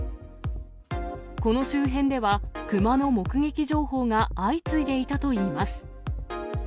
この周辺では、熊の目撃情報が相次いでいたといいます。